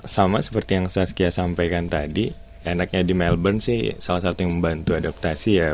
sama seperti yang saskia sampaikan tadi enaknya di melbourne sih salah satu yang membantu adaptasi ya